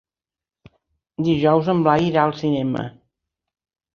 Dijous en Blai irà al cinema.